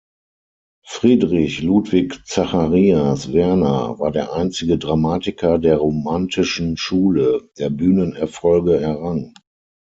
Friedrich Ludwig Zacharias Werner war der einzige Dramatiker der Romantischen Schule, der Bühnenerfolge errang.